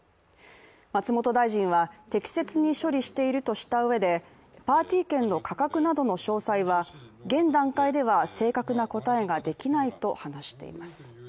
松本大臣は適切に処理しているとしたうえで、パーティー券の価格などの詳細は現段階では正確な答えができないと回答しています。